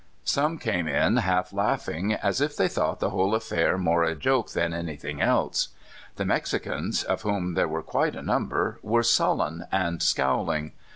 Some came in half laughing, as if they thought the whole affair more a joke than anything else. The Mexicans, of whom there were quite a number, were sullen and scowling.